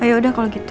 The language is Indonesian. ayo udah kalau gitu